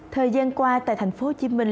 thời gian qua tại thành phố hồ chí minh